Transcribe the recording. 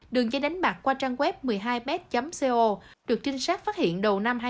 đường dây đánh bạc qua trang web một mươi hai bet co được trinh sát phát hiện đầu năm hai nghìn hai mươi